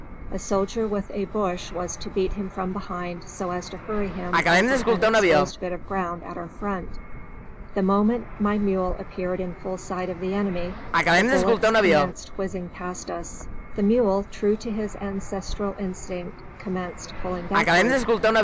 A soldier with a bush was to beat him from behind, so as to hurry him over an exposed bit of ground at our front. The moment my mule appeared in full sight of the enemy the bullets commenced whizzing past us. The mule, true to his ancestral instinct, commenced pulling backward.